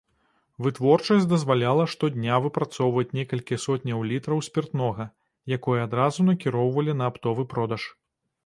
Вытворчасць дазваляла штодня выпрацоўваць некалькі сотняў літраў спіртнога, якое адразу накіроўвалі на аптовы продаж.